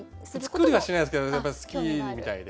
作りはしないですけど好きみたいで。